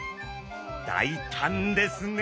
大胆ですね。